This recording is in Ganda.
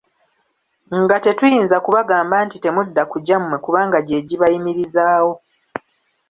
Nga tetuyinza kubagamba nti temudda ku gyammwe kubanga gye gibayimirizaawo.